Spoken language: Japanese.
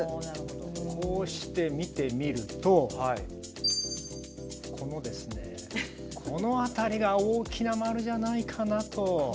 こうして見るとこの辺りが大きな丸じゃないかなと。